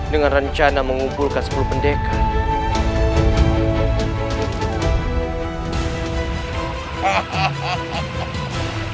dengan rencana mengumpulkan sepuluh pendekar